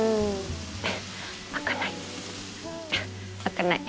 開かない。